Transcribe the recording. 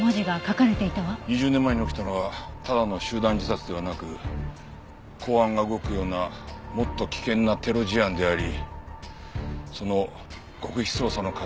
２０年前に起きたのはただの集団自殺ではなく公安が動くようなもっと危険なテロ事案でありその極秘捜査の過程で火浦は。